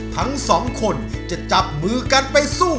ทั้งสองคนจะจับมือกันไปสู้